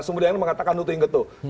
semua yang mengatakan nuting gitu